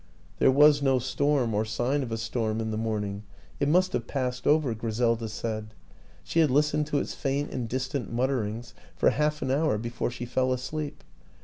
There was no storm, or sign of a storm in the morning. It must have passed over, Griselda said; she had listened to its faint and distant mut terings for half an hour before she fell asleep.